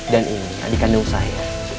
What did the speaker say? dan ini adik kandung saya